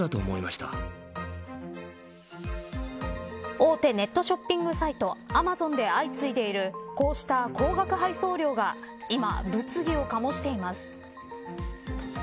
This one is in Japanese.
大手ネットショッピングサイトアマゾンで相次いでいるこうした高額配送料が今、物議を醸しています。